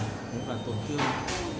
nhưng mà tổn thương